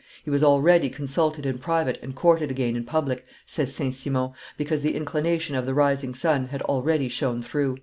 "He was already consulted in private and courted again in public," says St. Simon, "because the inclination of the rising sun had already shown through."